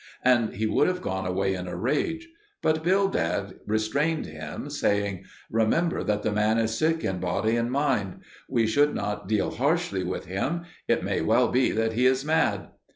And he would have gone away in a rage. But Bildad restrained him, saying, "Remember that the man is sick in body and mind; we should not deal harshly with him; it may well be that he is mad."